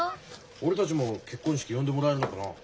俺たちも結婚式呼んでもらえるのかなあ。